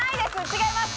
違います。